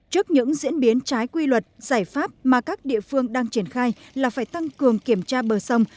trước những diễn biến trái quy luật giải pháp mà các địa phương đang triển khai là phải tăng cường kiểm tra bờ sông